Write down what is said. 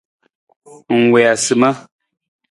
Ng wii asima.